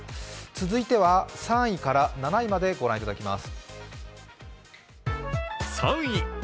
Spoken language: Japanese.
続いては３位から７位まで御覧いただきます。